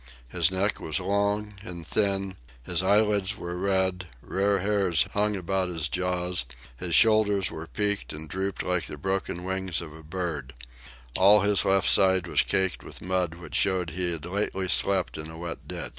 His neck was long and thin; his eyelids were red; rare hairs hung about his jaws; his shoulders were peaked and drooped like the broken wings of a bird; all his left side was caked with mud which showed that he had lately slept in a wet ditch.